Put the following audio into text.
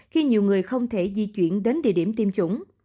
khi nhiều người không thể di chuyển đến địa điểm tiêm chủng